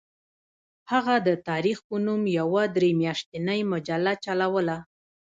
هغه د تاریخ په نوم یوه درې میاشتنۍ مجله چلوله.